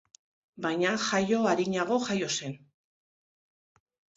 Baina jaio arinago jaio zen.